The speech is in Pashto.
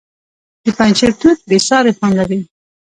د پنجشیر توت بې ساري خوند لري.